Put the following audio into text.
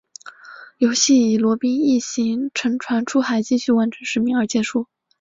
游戏以罗宾一行乘船出海继续完成使命而结束。